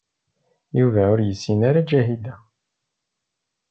Yuba ur yessin ara Ǧahida.